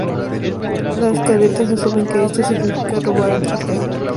Los cadetes asumen que esto significa robar el trofeo, e intentan hacerlo.